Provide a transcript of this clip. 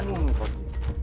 bunga pak cik